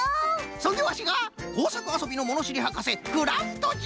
そんでワシがこうさくあそびのものしりはかせクラフトじゃ！